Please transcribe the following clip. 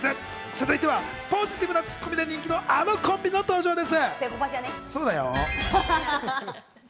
続いてはポジティブなツッコミで人気のあのコンビの登場です。